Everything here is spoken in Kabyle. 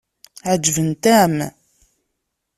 Ɛeǧbent-am?